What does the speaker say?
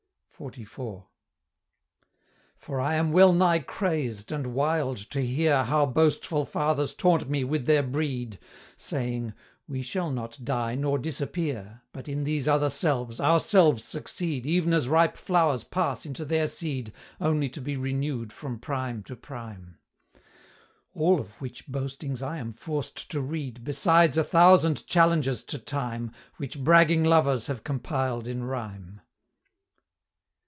XLIV. "For I am well nigh crazed and wild to hear How boastful fathers taunt me with their breed, Saying, 'We shall not die nor disappear, But, in these other selves, ourselves succeed Ev'n as ripe flowers pass into their seed Only to be renew'd from prime to prime,' All of which boastings I am forced to read, Besides a thousand challenges to Time, Which bragging lovers have compiled in rhyme."